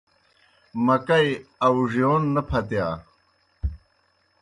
مکئی آؤڙِیون نہ پھتِیا۔